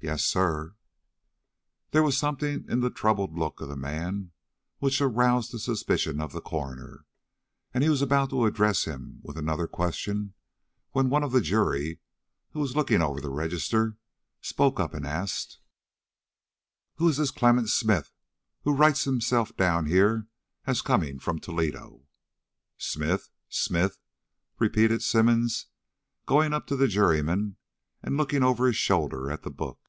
"Yes, sir." There was something in the troubled look of the man which aroused the suspicion of the coroner, and he was about to address him with another question when one of the jury, who was looking over the register, spoke up and asked: "Who is this Clement Smith who writes himself down here as coming from Toledo?" "Smith? Smith?" repeated Symonds, going up to the juryman and looking over his shoulder at the book.